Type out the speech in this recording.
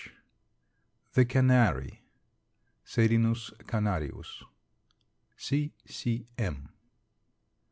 ] THE CANARY. (Serinus canarius.) C. C. M.